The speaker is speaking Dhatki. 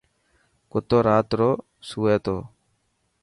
ڪتو رات رو سوي تيو.